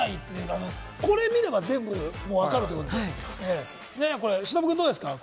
これを見れば全部分かるということで、忍君どうですか？